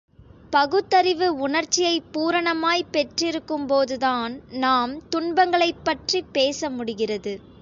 பகுத்தறிவு உணர்ச்சியைப் பூரணமாய்ப் பெற்றிருக்கும் போதுதான் நாம் துன்பங்களைப் பற்றிப் பேச முடிகிறது.